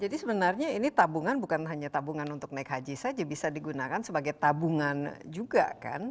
jadi sebenarnya ini tabungan bukan hanya tabungan untuk naik haji saja bisa digunakan sebagai tabungan juga kan